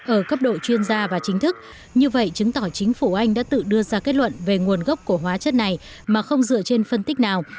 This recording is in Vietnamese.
ở cấp độ chuyên gia và chính thức như vậy chứng tỏ chính phủ anh đã tự đưa ra kết luận về nguồn gốc của hóa chất này mà không dựa trên phân tích nào